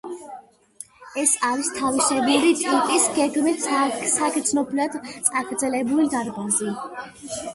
ეს არის თავისებური ტიპის, გეგმით საგრძნობლად წაგრძელებული დარბაზი.